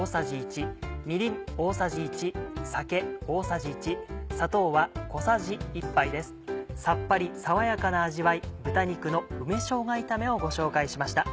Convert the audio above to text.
さっぱり爽やかな味わい「豚肉の梅しょうが炒め」をご紹介しました。